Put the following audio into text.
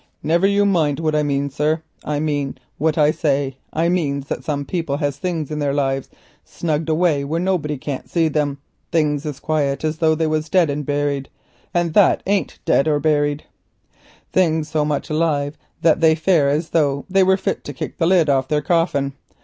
"Niver you mind what I mean, sir. I means what I says. I means that sometimes people has things in their lives snugged away where nobody can't see 'em, things as quiet as though they was dead and buried, and that ain't dead nor buried neither, things so much alive that they fare as though they were fit to kick the lid off their coffin.